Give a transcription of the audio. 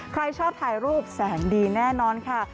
ใครชอบถ่ายรูปแสนดีแน่นอนค่ะ